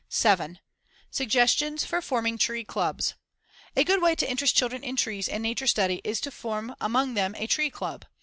7. Suggestions for forming tree clubs: A good way to interest children in trees and nature study is to form, among them, a Tree Club.